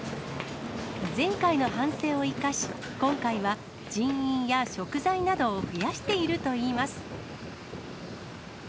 前回の反省を生かし、今回は人員や食材などを増やしているといいます。